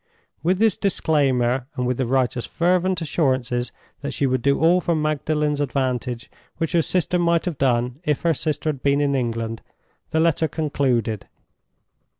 With this disclaimer, and with the writer's fervent assurances that she would do all for Magdalen's advantage which her sister might have done if her sister had been in England, the letter concluded.